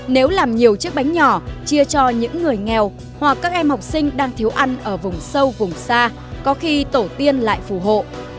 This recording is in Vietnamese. nếu làm nhiều chiếc bánh nhỏ chia cho những người nghèo hoặc các em học sinh đang thiếu ăn ở vùng sâu vùng xa có khi tổ tiên lại phù hộ